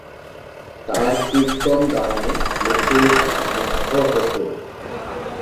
তার কীর্তন গানে লোকে মুগ্ধ হত।